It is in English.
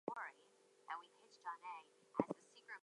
This reworking made the stories more useful for missionary work.